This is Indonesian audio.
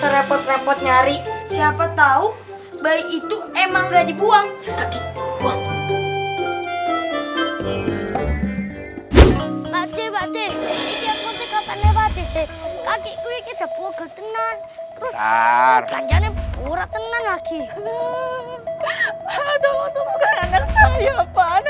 repot repot nyari siapa tahu baik itu emang nggak dibuang